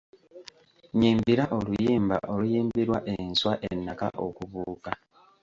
Nnyimbira oluyimba oluyimbirwa enswa ennaka okubuuka .